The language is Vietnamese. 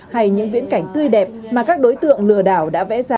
hay những viễn cảnh tươi đẹp mà các đối tượng lừa đảo đã vẽ ra